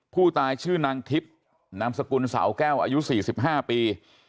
ผู้ตายชื่อนางทิพย์นามสกุลสาวแก้วอายุ๔๕ปี